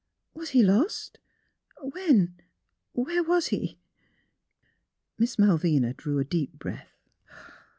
"Was he lost? When — where was he? " Miss Malvina drew a deep breath.